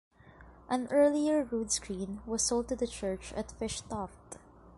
An earlier rood screen was sold to the church at Fishtoft.